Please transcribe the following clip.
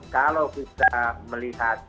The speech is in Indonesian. kalau bisa melihat